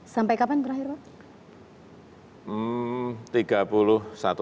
sampai kapan terakhir pak